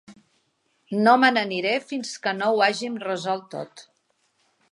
No me n'aniré fins que no ho hàgim resolt tot.